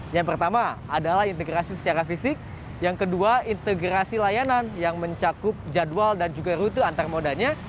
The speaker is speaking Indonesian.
yang pertama adalah integrasi secara fisik yang kedua integrasi layanan yang mencakup jadwal dan juga rute antar modanya